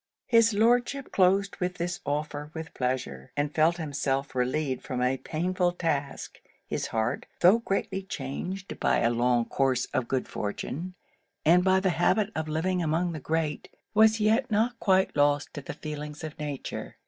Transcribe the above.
His Lordship closed with this offer with pleasure; and felt himself relieved from a painful task. His heart, though greatly changed by a long course of good fortune, and by the habit of living among the great, was yet not quite lost to the feelings of nature.